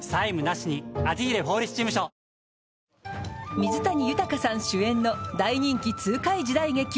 水谷豊さん主演の大人気痛快時代劇